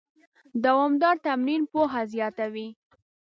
دوامداره تمرین پوهه زیاتوي.